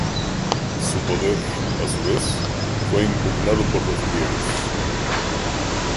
Su poder, a su vez, fue impugnado por los griegos.